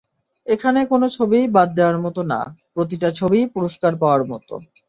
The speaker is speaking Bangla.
এখানে কোনো ছবিই বাদ দেওয়ার মতো না, প্রতিটা ছবিই পুরস্কার পাওয়ার মতো।